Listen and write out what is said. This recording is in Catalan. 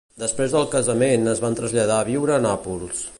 Després del casament es van traslladar a viure a Nàpols.